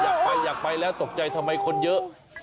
อยากไปอยากไปแล้วตกใจทำไมคนเยอะ